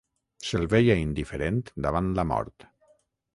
Se'l veia indiferent davant la mort.